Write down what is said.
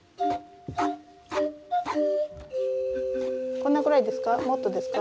こんなくらいですか？